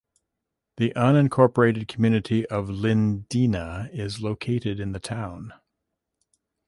The unincorporated community of Lindina is located in the town.